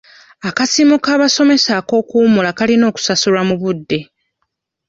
Akasiimo k'abasomesa ak'okuwummula kalina okusasulwa mu budde.